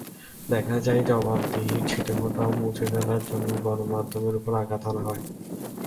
দেখা যায়, জবাবদিহির ছিটেফোঁটাও মুছে ফেলার জন্য গণমাধ্যমের ওপর আঘাত হানা হয়।